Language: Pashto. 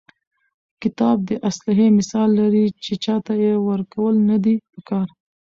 کتاب د اسلحې مثال لري، چي چا ته ئې ورکول نه دي په کار.